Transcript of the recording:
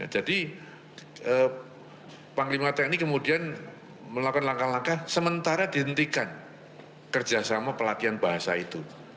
jadi panglima tni kemudian melakukan langkah langkah sementara dihentikan kerjasama pelatihan bahasa itu